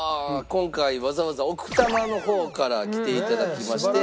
今回わざわざ奥多摩の方から来ていただきまして。